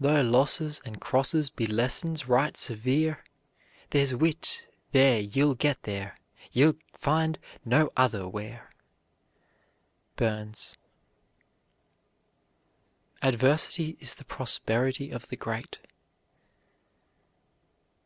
Though losses and crosses be lessons right severe, There's wit there ye'll get there, ye'll find no other where. BURNS. "Adversity is the prosperity of the great."